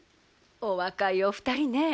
お若いお二人ね。